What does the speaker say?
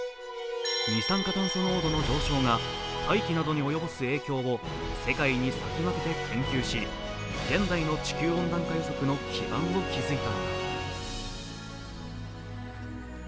二酸化炭素濃度の上昇が大気などに及ぼす影響を世界に先駆けて研究し現在の地球温暖化予測の基盤を築いた。